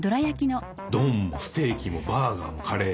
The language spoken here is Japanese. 丼もステーキもバーガーもカレーも。